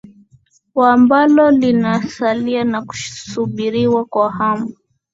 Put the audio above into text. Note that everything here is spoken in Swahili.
wa ambalo linasalia na kusubiriwa kwa hamu